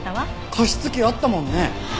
加湿器あったもんね。